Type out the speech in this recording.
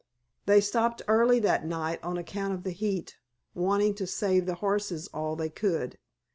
They stopped early that night on account of the heat, wanting to save the horses all they could.